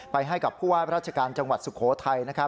ให้กับผู้ว่าราชการจังหวัดสุโขทัย